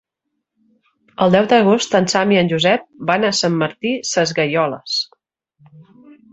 El deu d'agost en Sam i en Josep van a Sant Martí Sesgueioles.